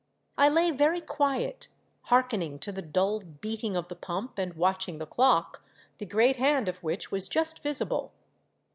I lay very quiet hearkening to the dulled beating of the pump and watching the clock, the great hand of which was just visible.